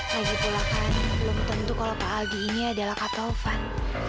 lagipula kan belum tentu kalau pak algi ini adalah kak taufan